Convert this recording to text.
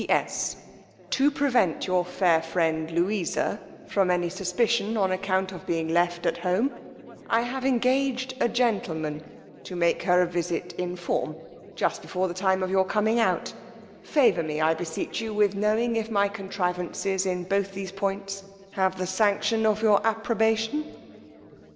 P.S.. To prevent your fair friend Louisa from any suspicion on account of being left at home, I have engaged a gentleman to make her a visit in form, just before the time of your coming out: favour me, I beseech you, with knowing if my contrivances in both these points have the sanction of your approbation."